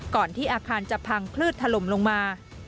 ที่อาคารจะพังคลืดถล่มลงมา